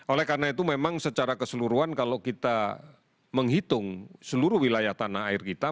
oleh karena itu memang secara keseluruhan kalau kita menghitung seluruh wilayah tanah air kita